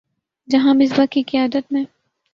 جہاں مصباح کی قیادت میں